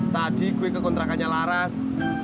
tadi gue kekontrakannya laras